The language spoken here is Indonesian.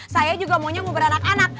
saya juga maunya mau beranak anak